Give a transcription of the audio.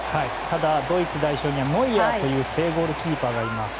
ただ、ドイツ代表にはノイアーという正ゴールキーパーがいます。